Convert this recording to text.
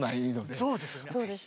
そうですね。